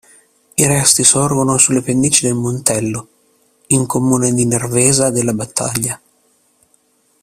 I resti sorgono sulle pendici del Montello, in comune di Nervesa della Battaglia.